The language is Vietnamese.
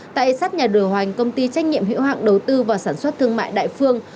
tại sát nhà đồ hoành công ty trách nhiệm hữu hạng đầu tư và sản xuất thương mại đại phương